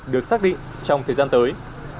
được xác định trong thời gian tới